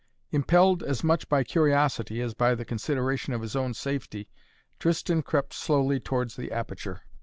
Impelled as much by curiosity as by the consideration of his own safety Tristan crept slowly towards the aperture.